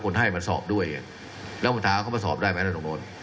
คณะที่พนเอกอนุพงศ์เจิน